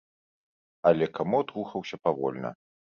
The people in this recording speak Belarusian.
Але камод рухаўся павольна.